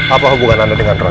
apa hubungan anda dengan trump